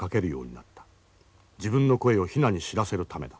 自分の声をヒナに知らせるためだ。